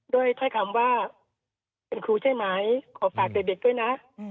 ถ้อยคำว่าเป็นครูใช่ไหมขอฝากเด็กด้วยนะ